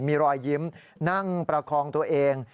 มีรอยยิ้มนั่งประคองตัวเอง